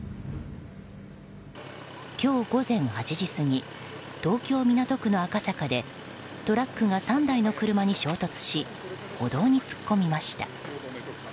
今日午前８時過ぎ東京・港区の赤坂でトラックが３台の車に衝突し歩道に突っ込みました。